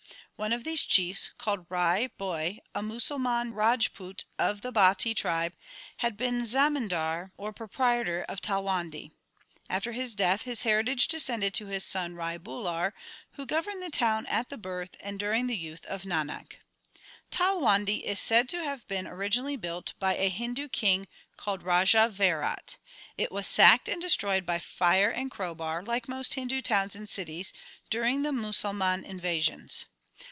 One of these chiefs, called Rai Bhoi, a Musalman Rajput of the Bhatti tribe, had been Zamindar or proprietor of Talwandi. After his death his heritage descended to his son Rai Bular, who governed the town at the birth and during the youth of Nanak. Talwandi is said to have been originally built by a Hindu king called Raja Vairat. It was sacked and destroyed by fire and crowbar, like most Hindu towns and cities, during the Musalman invasions.